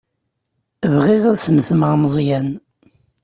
Bɣiɣ ad snetmeɣ Meẓyan.